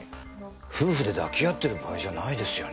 夫婦で抱き合ってる場合じゃないですよね。